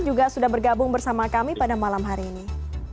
juga sudah bergabung bersama kami pada malam hari ini